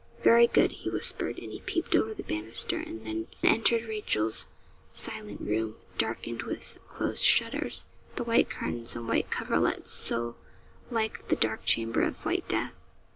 'Very good,' he whispered, and he peeped over the banister, and then entered Rachel's silent room, darkened with closed shutters, the white curtains and white coverlet so like 'the dark chamber of white death.'